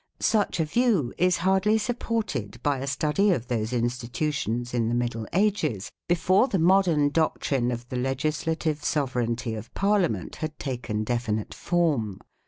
Such a view is hardly supported by a study of those institutions in the Middle Ages, before the modern doctrine of the legislative sovereignty of Parliament had taken definite form.